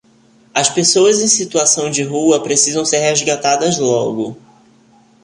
As pessoas em situação de rua precisam ser resgatadas logo